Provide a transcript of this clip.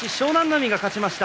海が勝ちました。